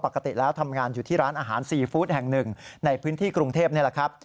ปกติแล้วทำงานอยู่ที่ร้านอาหารซีฟู้ดแห่งหนึ่งในพื้นที่กรุงเทพนี่แหละครับ